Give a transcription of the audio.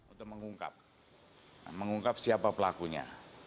untuk mengungkap siapa pelakunya